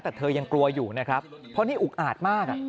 แต่เธอยังกลัวอยู่นะครับเพราะนี่อุกอาดมาก